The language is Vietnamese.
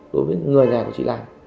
đối với người nhà của chị lan